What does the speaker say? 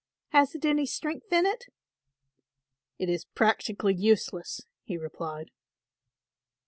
"Has it any strength in it?" "It is practically useless," he replied.